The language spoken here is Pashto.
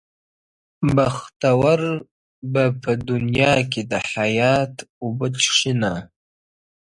بختور به په دنیا کي د حیات اوبه چښینه-